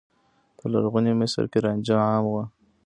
په لرغوني مصر کې رانجه عام و.